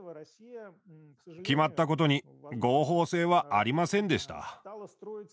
決まったことに合法性はありませんでした。